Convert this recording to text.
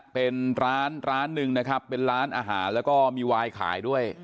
เป็นร้านร้านหนึ่งนะครับเป็นร้านอาหารแล้วก็มีวายขายด้วย